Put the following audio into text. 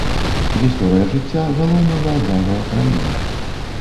Гісторыя жыцця галоўнага аграрыя краіны.